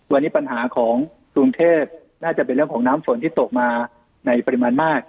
วันนี้ปัญหาของกรุงเทพน่าจะเป็นเรื่องของน้ำฝนที่ตกมาในปริมาณมาก